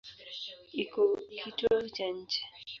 Iko kitovu cha nchi.